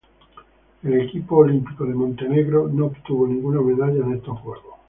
El equipo olímpico de Montenegro no obtuvo ninguna medalla en estos Juegos.